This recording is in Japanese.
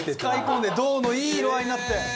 使い込んで銅のいい色合いになって。